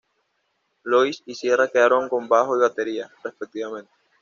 Louise y Sierra quedaron con bajo y batería, respectivamente.